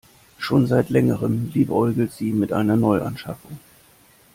Schon seit längerem liebäugelt sie mit einer Neuanschaffung.